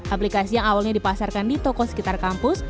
aplikasi yang awalnya dipasarkan di toko sekitar kampus